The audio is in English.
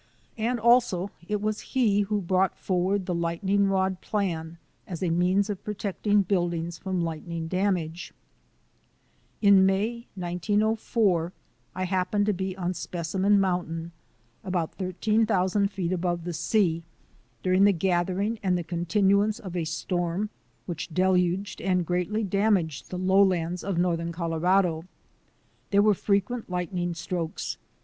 And also it was he who brought forward the lightning rod plan as a means of protecting buildings from light ning damage. In May, 1904, I happened to be on Specimen Mountain, about 13,000 feet above the sea, during the gathering and the continuance of a storm which LIGHTNING AND THUNDER 133 deluged and greatly damaged the lowlands of northern Colorado. There were frequent lightning strokes.